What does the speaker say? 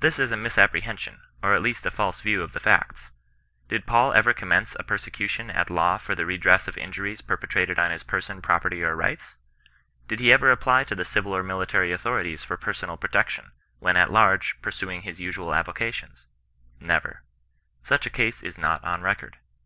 This is a misapprehension, or at least a false view of the facts. Did Faul ever commence a prosecution at law for the redress of injuries perpetrated on his ^rson, property, or rights ? Did he ever apply to tVife ^vrJ^ ^t 68 CHBIBTIAir VOy TiBaiBTAVOB, military authorities for personal protection, when at large, pursuing his usual avocations ? Never. Such a case is not on record.